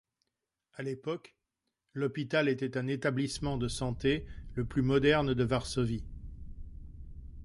À l’époque, l’hôpital était un établissement de santé le plus moderne de Varsovie.